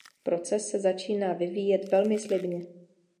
Proces se začíná vyvíjet velmi slibně.